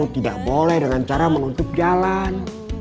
tidak boleh dengan cara menutup jalan